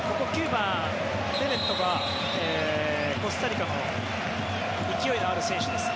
９番、ベネットはコスタリカの勢いのある選手です。